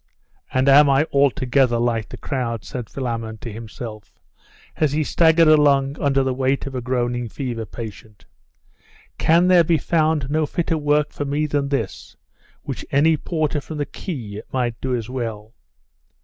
'And am I altogether like the crowd?' said Philammon to himself, as he staggered along under the weight of a groaning fever patient. 'Can there be found no fitter work for me than this, which any porter from the quay might do as well?